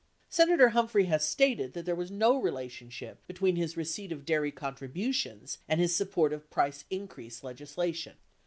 Senator Hum phrey has stated that there was no relationship between his receipt of dairy contributions and his support of the price increase legislation.